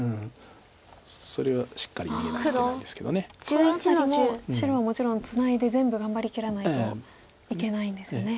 この辺り白はもちろんツナいで全部頑張りきらないといけないんですね。